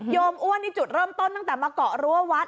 อ้วนนี่จุดเริ่มต้นตั้งแต่มาเกาะรั้ววัด